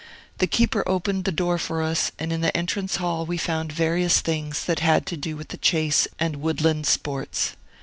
The keeper opened the door for us, and in the entrance hall we found various things that had to do with the chase and woodland sports.